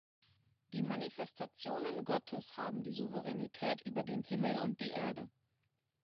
Die Manifestationen Gottes haben die Souveränität über den Himmel und die Erde.